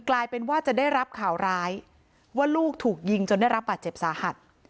กลายเป็นว่าจะได้รับข่าวร้ายว่าลูกถูกยิงจนได้รับบาดเจ็บสาหัส